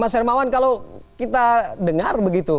mas hermawan kalau kita dengar begitu